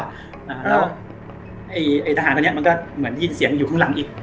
ไอทางก็เหมือนยินเสียงอยู่ข้างหลังอีก